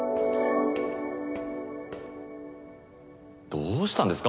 どうしたんですか？